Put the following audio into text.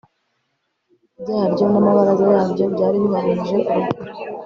byaryo n amabaraza yaryo byari bihwanyije urugero